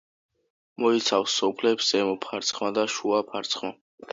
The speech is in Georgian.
მოიცავს სოფლებს ზემო ფარცხმა და შუა ფარცხმა.